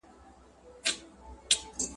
ته به مي پر قبر د جنډۍ په څېر ولاړه یې .